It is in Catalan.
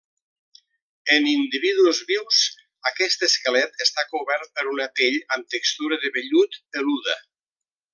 En individus vius, aquest esquelet està cobert per una pell amb textura de vellut, peluda.